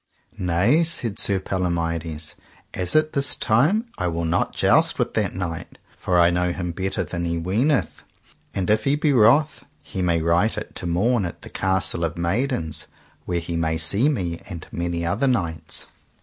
Nay, said Sir Palomides, as at this time I will not joust with that knight, for I know him better than he weeneth. And if he be wroth he may right it to morn at the Castle of Maidens, where he may see me and many other knights.